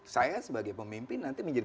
saya sebagai pemimpin nanti menjadi